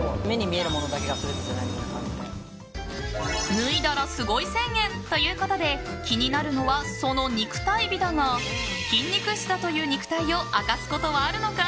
脱いだらすごい宣言ということで気になるのは、その肉体美だが筋肉質だという肉体を明かすことはあるのか。